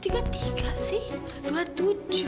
kok tiga puluh tiga sih